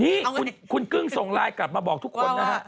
นี่คุณกึ้งส่งไลน์กลับมาบอกทุกคนนะฮะ